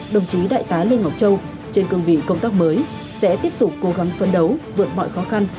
đồng chí đại tá lê ngọc châu trên cương vị công tác mới sẽ tiếp tục cố gắng phân đấu vượt mọi khó khăn